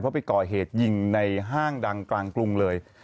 เพราะไปก่อเหตุยิงในห้างดังกลางกรุงเลย